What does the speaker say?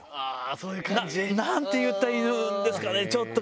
そういう感じ？なんて言ったらいいんですかね、ちょっと。